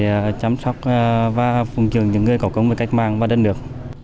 cách mạng và đất nước để chăm sóc và phùng trường những người cầu công về cách mạng và đất nước